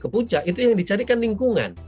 ke puncak itu yang dicarikan lingkungan